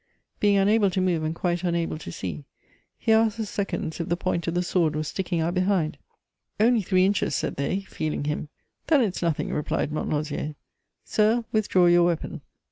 Being unable to move and quite unable to see, he asked the seconds if the point of the sword was sticking out behind: "Only three inches," said they, feeling him. "Then it's nothing," replied Montlosier. "Sir, withdraw your weapon."